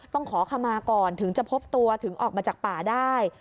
ต้องขอขมาก่อนถึงจะพบตัวถึงออกมาจากป่าได้